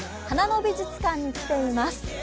花の美術館に来ています。